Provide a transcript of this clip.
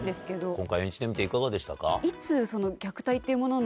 今回演じてみていかがでしたか？